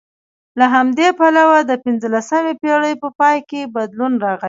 له همدې پلوه د پنځلسمې پېړۍ په پای کې بدلون راغی